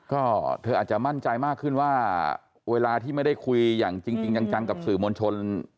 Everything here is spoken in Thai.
ก็เธออาจจะมั่นใจมากขึ้นว่าเวลาที่ไม่ได้คุยอย่างจริงจังกับสื่อมวลชน